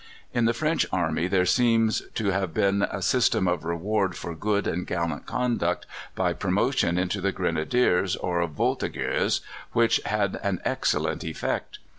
In the French Army there seemed to have been a system of reward for good and gallant conduct by promotion into the Grenadiers or Voltigeurs, which had an excellent effect.